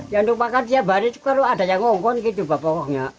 yang untuk makan tiap hari kalau ada yang ngongkong gitu pokoknya